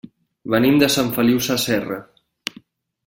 Venim de Sant Feliu Sasserra.